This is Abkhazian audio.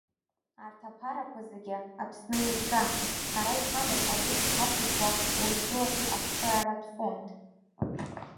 Арҭ аԥарақәа зегьы Аԥсны еизгам, ҳара иҳамоуп аус ҳацызуа Урыстәылатәи ацхырааратә фонд.